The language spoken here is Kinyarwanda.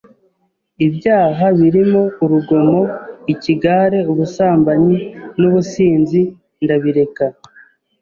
ibyaha birimo urugomo, ikigare, ubusambanyi n’ubusinzi ndabireka